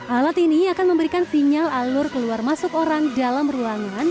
alat ini akan memberikan sinyal alur keluar masuk orang dalam ruangan